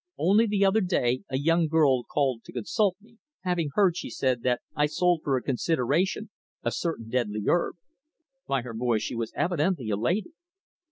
Only the other day a young girl called to consult me, having heard, she said, that I sold for a consideration a certain deadly herb. By her voice she was evidently a lady."